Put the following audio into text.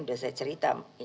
udah saya cerita